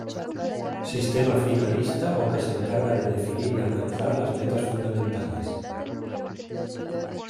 Sistema finalista o que se encarga de definir y alcanzar las metas fundamentales.